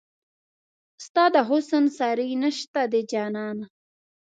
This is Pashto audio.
ستا د حسن ساری نشته دی جانانه